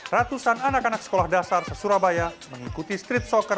ratusan anak anak sekolah dasar se surabaya mengikuti street soccer